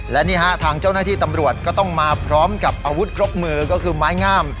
และนี่ฮะทางเจ้าหน้าที่ตำรวจก็ต้องมาพร้อมกับอาวุธครบมือก็คือไม้งาม